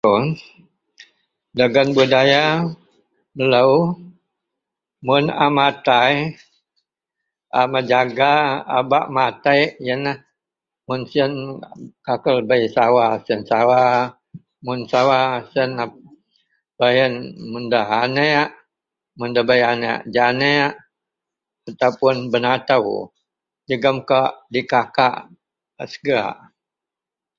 On dagen budaya melo mun a matai a menjaga a bak mengatek iyenlah mun siyen kakel bei sawa, siyen sawa mun sawa sien beh iyen anek mun debei anek janek atau benato jegem dikakak a segak.